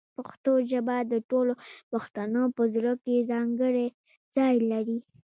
پښتو ژبه د ټولو پښتنو په زړه کې ځانګړی ځای لري.